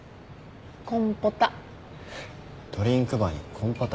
コンポタ。